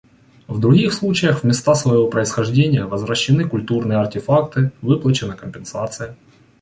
В других случаях в места своего происхождения возвращены культурные артефакты, выплачена компенсация.